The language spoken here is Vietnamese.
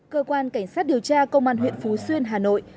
cơ quan cảnh sát điều tra công an huyện phú xuyên hà nội